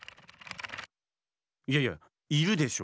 いやいやいるでしょ。